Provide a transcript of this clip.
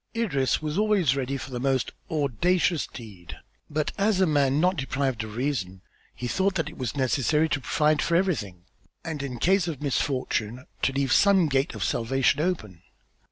Idris was always ready for the most audacious deed, but as a man not deprived of reason, he thought that it was necessary to provide for everything and in case of misfortune to leave some gate of salvation open.